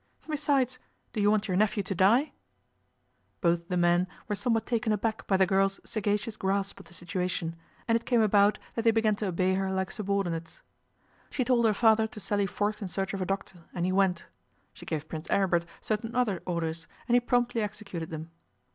Besides, do you want your nephew to die?' Both the men were somewhat taken aback by the girl's sagacious grasp of the situation, and it came about that they began to obey her like subordinates. She told her father to sally forth in search of a doctor, and he went. She gave Prince Aribert certain other orders, and he promptly executed them.